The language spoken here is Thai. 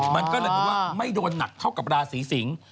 มันก็เลยบอกว่าไม่โดนหนักเท่ากับราศีสิงศ์